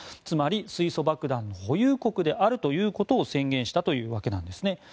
つまり、水素爆弾の保有国であるということを宣言したというわけなんですね。